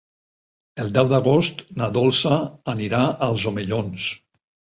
El deu d'agost na Dolça anirà als Omellons.